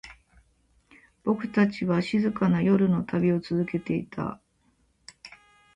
僕たちは、静かな夜の旅を続けていた。